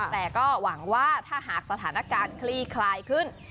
แต่ก็หวังว่าถ้าหากสถานการณ์คลี่คลายขึ้น